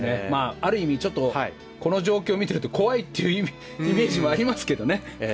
ある意味、この状況を見ていると怖いってイメージもありますけどね。